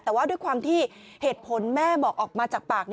แต่ว่าด้วยความที่เหตุผลแม่บอกออกมาจากปาก